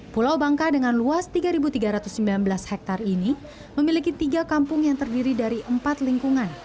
pulau bangka dengan luas tiga tiga ratus sembilan belas hektare ini memiliki tiga kampung yang terdiri dari empat lingkungan